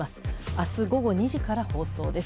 明日午後２時から放送です。